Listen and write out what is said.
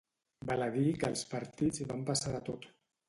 Val a dir que els partits van passar de tot.